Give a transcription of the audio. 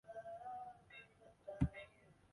在不经意间